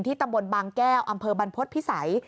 ตำบลบางแก้วอำเภอบรรพฤษภิษัย